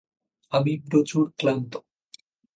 আমি প্রচুর ক্লান্ত।